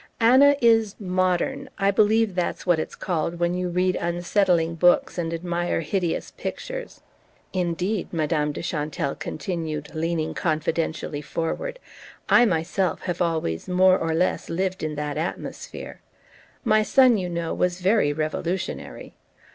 Anna is 'modern' I believe that's what it's called when you read unsettling books and admire hideous pictures. Indeed," Madame de Chantelle continued, leaning confidentially forward, "I myself have always more or less lived in that atmosphere: my son, you know, was very revolutionary.